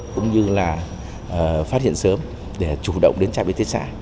cũng như là phát hiện sớm để chủ động đến trạm y tế xã